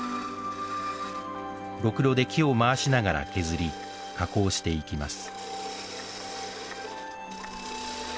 ろくろで木を回しながら削り加工していきます